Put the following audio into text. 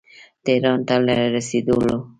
تهران ته له رسېدلو.